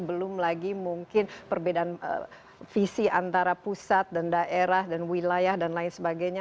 belum lagi mungkin perbedaan visi antara pusat dan daerah dan wilayah dan lain sebagainya